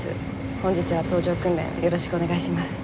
本日は搭乗訓練よろしくお願いします。